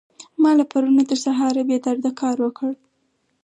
ما له پرون نه تر سهاره بې درده کار وکړ.